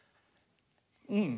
うん。